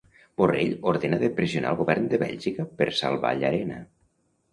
Borrell ordena de pressionar el govern de Bèlgica per salvar Llarena.